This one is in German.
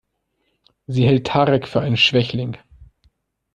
Sie hält Tarek für einen Schwächling.